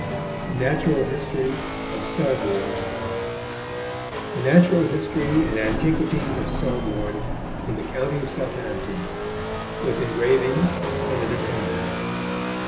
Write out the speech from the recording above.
THE NATURAL HISTORY OF SELBORNE THE NATURAL HISTORY AND ANTIQUITIES OF SELBORNE, IN THE COUNTY OF SOUTHAMPTON; _with Engravings, and an Appendix.